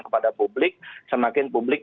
kepada publik semakin publik